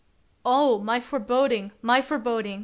"Oh, my foreboding, my foreboding!